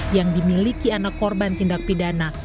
yang dimiliki anak korban tindak pidana